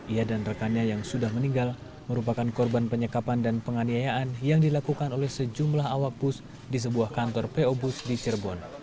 ia dan rekannya yang sudah meninggal merupakan korban penyekapan dan penganiayaan yang dilakukan oleh sejumlah awak bus di sebuah kantor po bus di cirebon